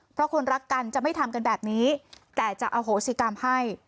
เพราะคนรักกันจะไม่ทำกันแบบนี้แต่จะอโหสิกรรมให้